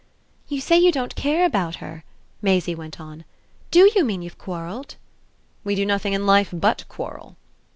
"You say you don't care about her," Maisie went on. "DO you mean you've quarrelled?" "We do nothing in life but quarrel."